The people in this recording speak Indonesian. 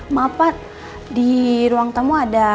maaf pak di ruang tamu ada